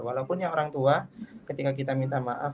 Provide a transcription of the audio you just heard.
walaupun yang orang tua ketika kita minta maaf